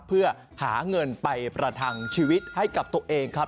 เพื่อหาเงินไปประทังชีวิตให้กับตัวเองครับ